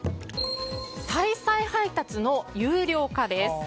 再々配達の有料化です。